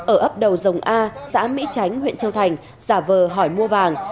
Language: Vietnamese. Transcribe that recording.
ở ấp đầu dòng a xã mỹ chánh huyện châu thành giả vờ hỏi mua vàng